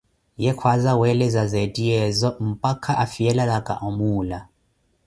Ye kwaaza weeleza zeettehyeezo mpakha afiyelelaka omuula